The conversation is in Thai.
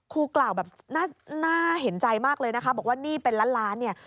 ครูกล่าวแบบน่าเห็นใจมากเลยนะคะบอกว่าหนี้เป็นล้านล้านเนี่ย